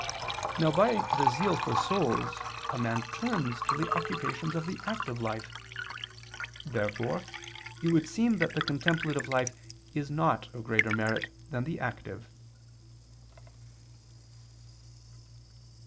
Now by the zeal for souls a man turns to the occupations of the active life. Therefore it would seem that the contemplative life is not of greater merit than the active.